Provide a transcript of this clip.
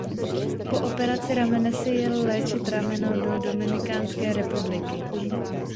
Po operaci ramene si jel léčit rameno do Dominikánské republiky.